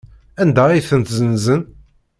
Anda ay tent-ssenzen?